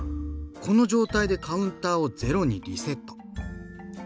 この状態でカウンターをゼロにリセット。